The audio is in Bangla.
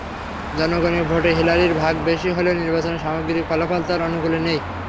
জনগণের ভোটে হিলারির ভাগ বেশি হলেও নির্বাচনের সামগ্রিক ফলাফল তাঁর অনুকূলে নেই।